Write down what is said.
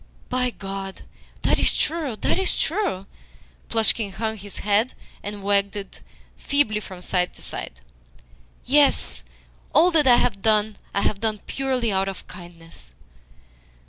"By God, that is true, that is true." Plushkin hung his head, and wagged it feebly from side to side. "Yes, all that I have done I have done purely out of kindness."